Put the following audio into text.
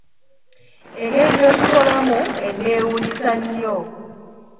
Engeri gy’okikolamu enneewunyisa nnyo.